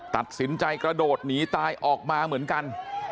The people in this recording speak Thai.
ตัดสินใจกระโดดหนีตายออกมาเหมือนกัน